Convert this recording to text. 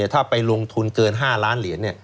ถ้าไปลงทุนเกิน๕ล้านเหรียญ